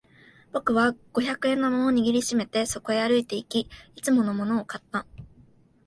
僕は五百円玉を握り締めてそこへ歩いていき、いつものものを買った。